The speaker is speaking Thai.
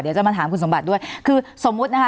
เดี๋ยวจะมาถามคุณสมบัติด้วยคือสมมตินะฮะ